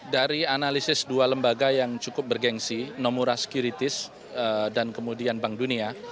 dari analisis dua lembaga yang cukup bergensi nomura securitis dan kemudian bank dunia